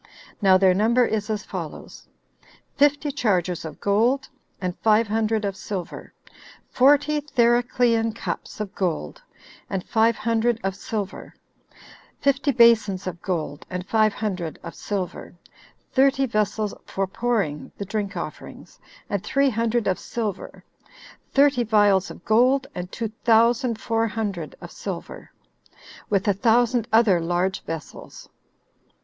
Now their number is as follows: Fifty chargers of gold, and five hundred of silver; forty Thericlean cups of gold, and five hundred of silver; fifty basons of gold, and five hundred of silver; thirty vessels for pouring [the drink offerings], and three hundred of silver; thirty vials of gold, and two thousand four hundred of silver; with a thousand other large vessels.